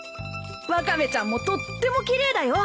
ワカメちゃんもとっても奇麗だよ。